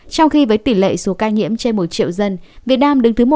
trong khi với tỉ lệ số ca nhiễm trên một triệu dân việt nam đứng thứ một trăm một mươi bốn ca nhiễm